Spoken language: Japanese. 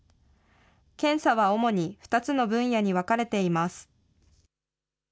検査は主に２つの分野に分かれています。